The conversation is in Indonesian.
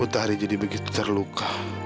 dia begitu terluka